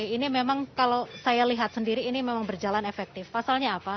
ini memang kalau saya lihat sendiri ini memang berjalan efektif pasalnya apa